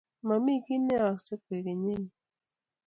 mi kiy neyooksei kwekeny eng yu